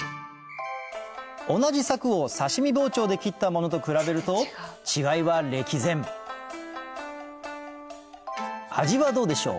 同じサクを刺し身包丁で切ったものと比べると違いは歴然味はどうでしょう？